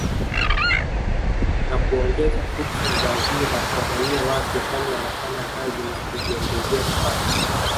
Na kuongeza fursa za ajira kwa raia wake kwani wanafanya kazi na kujiongezea kipato